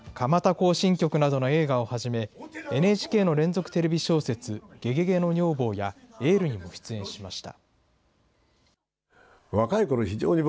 行進曲などの映画をはじめ、ＮＨＫの連続テレビ小説、ゲゲゲの女房やエールにも出演しました。